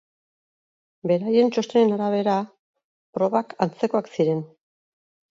Beraien txostenen arabera probak antzekoak ziren.